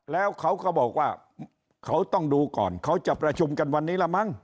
แล้วเขาก็บอกว่าเขาต้องดูก่อนเขาจะประชุมกันวันนี้ละมั้ง